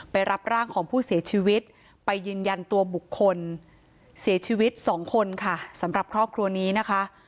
รับร่างของผู้เสียชีวิตไปยืนยันตัวบุคคลเสียชีวิตสองคนค่ะสำหรับครอบครัวนี้นะคะ